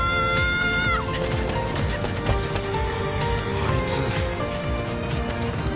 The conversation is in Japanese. あいつ。